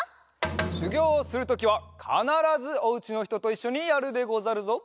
しゅぎょうをするときはかならずおうちのひとといっしょにやるでござるぞ！